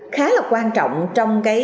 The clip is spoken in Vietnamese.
khá là quan trọng trong